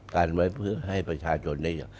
กันไว้เพื่อให้ประชาชนได้